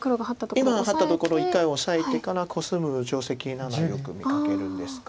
今ハッたところを１回オサえてからコスむ定石ならよく見かけるんですが。